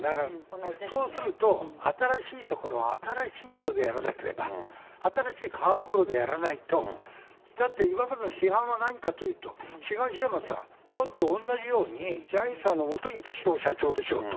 そうすると、新しい所、新しい人でやらなければ、新しい人でやらないと、だって今までの批判は何かというと、東山さん、だって同じように、ジャニーさんのもとにいた人が社長でしょうと。